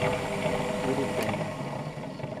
Urupema